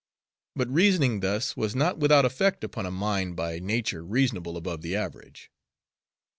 But reasoning thus was not without effect upon a mind by nature reasonable above the average.